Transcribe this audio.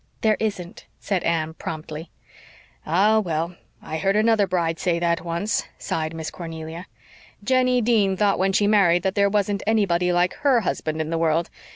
"There isn't," said Anne promptly. "Ah, well, I heard another bride say that once," sighed Miss Cornelia. "Jennie Dean thought when she married that there wasn't anybody like HER husband in the world.